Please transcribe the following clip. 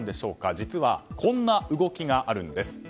実は、こんな動きがあるんです。